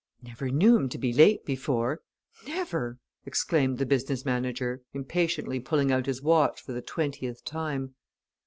"Never knew him to be late before never!" exclaimed the business manager, impatiently pulling out his watch for the twentieth time.